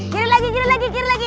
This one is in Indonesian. kiri lagi kiri lagi kiri lagi